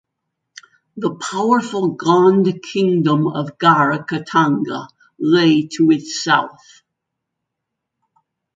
The powerful Gond kingdom of Garha Katanga lay to its south.